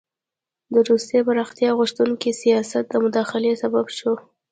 د روسیې پراختیا غوښتونکي سیاست د مداخلې سبب شو.